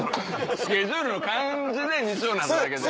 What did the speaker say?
スケジュールの感じで日曜になっただけで。